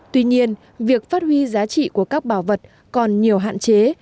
tuy nhiên việc phát huy giá trị của các bảo vật còn nhiều hạn chế